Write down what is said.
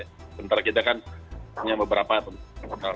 sebentar kita kan punya beberapa teman teman